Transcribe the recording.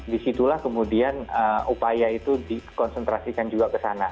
disitulah kemudian upaya itu dikonsentrasikan juga ke sana